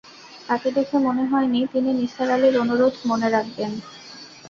তাঁকে দেখে মনে হয়নি তিনি নিসার আলির অনুরোধ মনে রাখবেন।